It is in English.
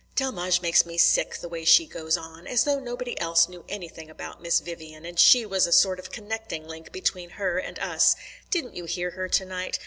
"Delmege makes me sick, the way she goes on! As though nobody else knew anything about Miss Vivian, and she was a sort of connecting link between her and us. Didn't you hear her tonight?